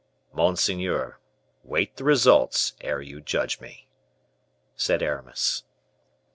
"Monseigneur, wait the results ere you judge me," said Aramis.